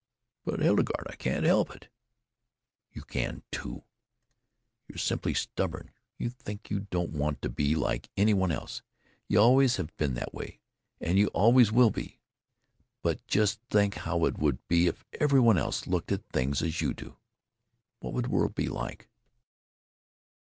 "But, Hildegarde, I can't help it." "You can too. You're simply stubborn. You think you don't want to be like any one else. You always have been that way, and you always will be. But just think how it would be if every one else looked at things as you do what would the world be like?"